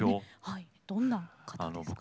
どんな方ですか？